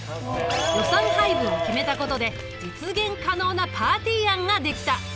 予算配分を決めたことで実現可能なパーティー案ができた。